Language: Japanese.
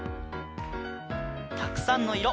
たくさんのいろ